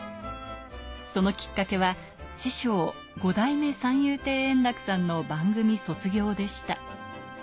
そのきっかけは師匠、五代目三遊亭圓楽さんの番組卒業でした。